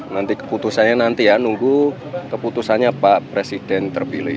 nanti keputusannya nanti ya nunggu keputusannya pak presiden terpilih